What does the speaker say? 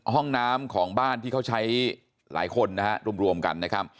ห้องน้ำของบ้านที่เขาใช้หลายคนนะฮะรวมกันนะครับ